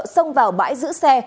xông vào bãi giữ xe